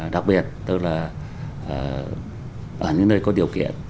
đặc biệt tức là ở những nơi có điều kiện